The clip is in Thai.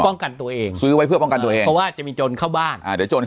ป้องกันตัวเองซื้อไว้เพื่อป้องกันตัวเองเพราะว่าจะมีโจรเข้าบ้าน